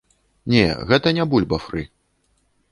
Не, гэта не бульба-фры.